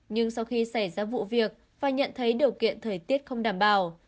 nhưng sau khi xảy ra vụ việc và nhận thấy điều kiện thời tiết không đảm bảo